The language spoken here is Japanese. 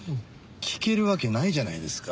聞けるわけないじゃないですか。